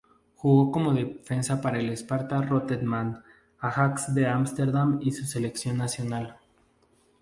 Jugó como defensa para el Sparta Rotterdam, Ajax de Ámsterdam y su selección nacional.